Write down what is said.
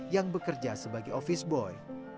yang bekerja sebagai office boy